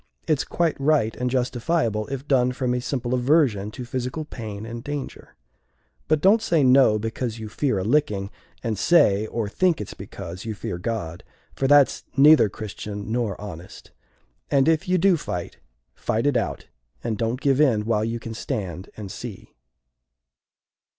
It's quite right and justifiable, if done from a simple aversion to physical pain and danger. But don't say 'No' because you fear a licking and say or think it's because you fear God, for that's neither Christian nor honest. And if you do fight, fight it out; and don't give in while you can stand and see."